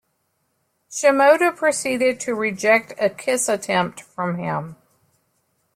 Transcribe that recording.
Shimoda proceeded to reject a kiss attempt from him.